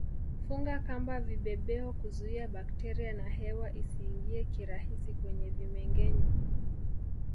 Funga kamba vibebeo kuzuia bakteria na hewa isiingie kirahisi kwenye vimengenywa